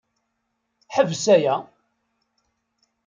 Ḥbes aya!